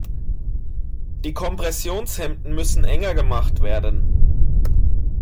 Die Kompressionshemden müssen enger gemacht werden.